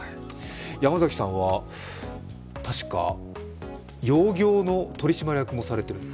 山崎さんは確か窯業の取締役もされている？